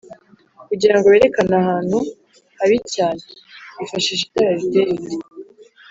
kugirango berekane ahantu habicyane bifashisha itara riteye rite?